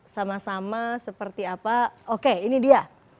sama sama seperti apa oke ini dia